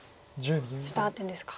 下アテですか。